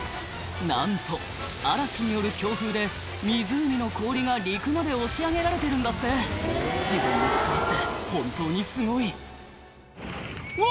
なんと嵐による強風で湖の氷が陸まで押し上げられてるんだって自然の力って本当にすごいうわ！